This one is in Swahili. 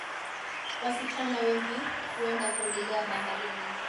Wasichana wengi huenda kuogelea baharini